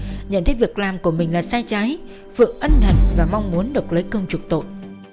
tôi nhận thấy việc làm của mình là sai trái phượng ân hận và mong muốn được lấy công trục tội